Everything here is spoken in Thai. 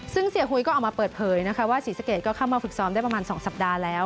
ซึ่งเสียหุยก็ออกมาเปิดเผยนะคะว่าศรีสะเกดก็เข้ามาฝึกซ้อมได้ประมาณ๒สัปดาห์แล้ว